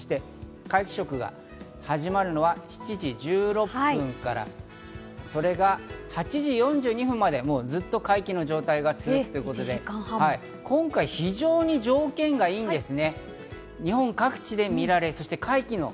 皆既食が始まるのは７時１６分からそれが８時４２分まで、ずっと皆既の状態が続くということで、今回非常に条件がいいんです。